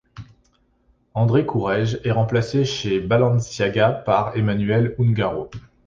André Courrèges est remplacé chez Balenciaga par Emmanuel Ungaro.